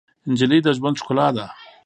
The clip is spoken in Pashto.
نجلۍ د ژوند ښکلا ده.